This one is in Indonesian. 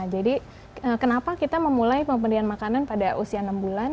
jadi kenapa kita memulai pembelian makanan pada usia enam bulan